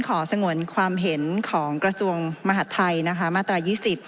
ขอสงวนความเห็นของกระทรวงมหาธัยนะคะมาตรายยี่สิบ